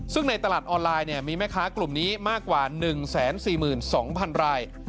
ซึ่งในตลาดออนไลน์มีแม่ค้ากลุ่มนี้มากกว่า๑๔๒๐๐๐ราย